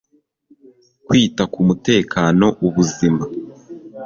kwita ku mutekano ubuzima